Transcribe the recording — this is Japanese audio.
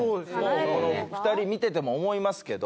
この２人見てても思いますけど。